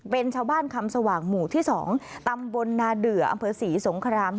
เป็นชาวบ้านคำสว่างหมู่ที่๒ตำบลนาเดืออำเภอศรีสงคราม